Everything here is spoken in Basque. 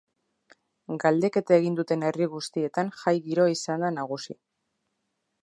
Galdeketa egin duten herri guztietan jai giroa izan da nagusi.